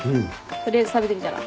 取りあえず食べてみたら？